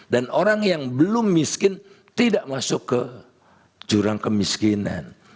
orang yang belum miskin tidak masuk ke jurang kemiskinan